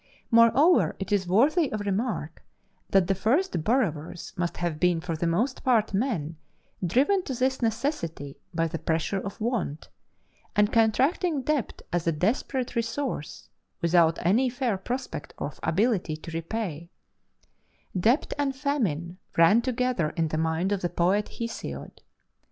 Moreover, it is worthy of remark that the first borrowers must have been for the most part men driven to this necessity by the pressure of want, and contracting debt as a desperate resource, without any fair prospect of ability to repay: debt and famine run together in the mind of the poet Hesiod.